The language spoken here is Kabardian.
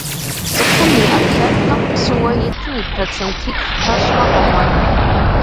Цӏыхум и ӏэпкълъэпкъым псыуэ итым и процентитху хэщӏмэ къомэх.